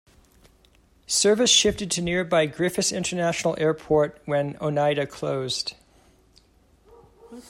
Service shifted to nearby Griffiss International Airport when Oneida closed.